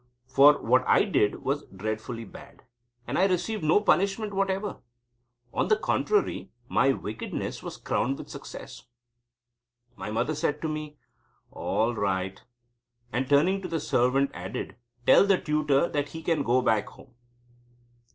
For what I did was dreadfully bad, and I received no punishment whatever. On the contrary, my wickedness was crowned with success. My mother said to me: "All right," and turning to the servant added: "Tell the tutor that he can go back home."